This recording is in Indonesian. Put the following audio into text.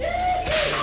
beneran lo ya